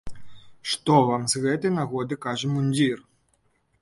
Што вам з гэтай нагоды кажа мундзір?